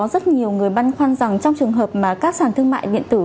rất nhiều người băn khoăn rằng trong trường hợp mà các sàn thương mại điện tử